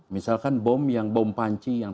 misalkan bom yang bom panci yang